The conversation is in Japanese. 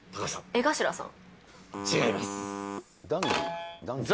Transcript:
江頭さん。